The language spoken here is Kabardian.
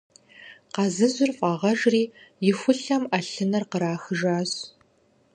Къазыжьыр фӀагъэжри, и хулъэм Ӏэлъыныр кърахыжащ.